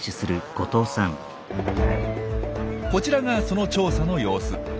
こちらがその調査の様子。